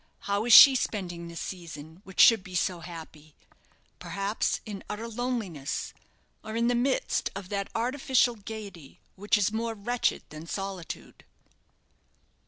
"How is she spending this season, which should be so happy? Perhaps in utter loneliness; or in the midst of that artificial gaiety which is more wretched than solitude."